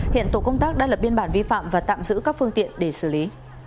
hiện tổ công tác đã lập biên bản vi phạm và tạm giữ các phương tiện để xử lý